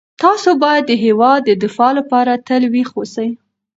تاسو باید د هیواد د دفاع لپاره تل ویښ اوسئ.